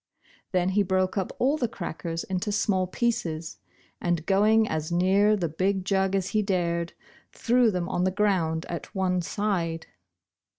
Then he broke up all the crackers into small pieces, and going as near the big jug as he dared, threw them on the ground at one side.